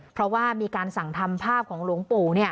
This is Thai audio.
เพราะว่ามีการสั่งทำภาพของหลวงปู่